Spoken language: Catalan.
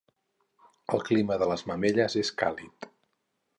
El clima de Les Mamelles és càlid.